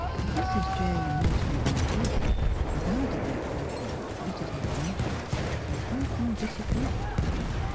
Mrs. J. Mortimer Van Den ser regarded the apparition which greeted her at luncheon with open disapproval.